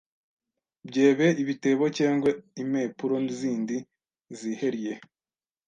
byebe ibitebo cyengwe impepuro zindi ziheriye.